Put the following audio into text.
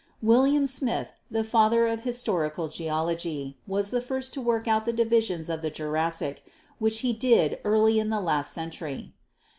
William Smith, the father of Historical Geology, was the first to work out the divisions of the Jurassic, which he did early in the last century.